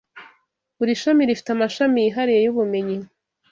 Buri shami rifite amashami yihariye yubumenyi